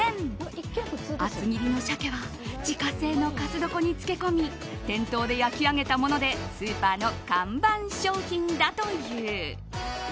厚切りの鮭は自家製の粕床に漬け込み店頭で焼き上げたものでスーパーの看板商品だという。